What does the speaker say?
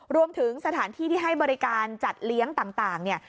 รวมถึงสถานที่ที่ให้บริการจัดเลี้ยงต่างเนี่ย